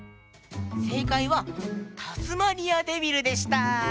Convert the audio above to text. せいかいはタスマニアデビルでした。